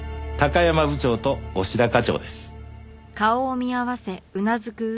山部長と押田課長です。